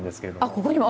ここにも？